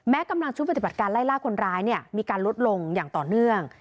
กำลังชุดปฏิบัติการไล่ล่าคนร้ายเนี่ยมีการลดลงอย่างต่อเนื่อง